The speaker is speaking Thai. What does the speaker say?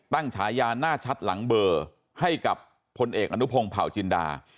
ฉายาหน้าชัดหลังเบอร์ให้กับพลเอกอนุพงศ์เผาจินดา